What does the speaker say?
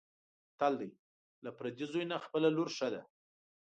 متل دی: له پردي زوی نه خپله لور ښه ده.